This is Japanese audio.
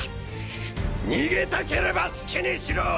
逃げたければ好きにしろ！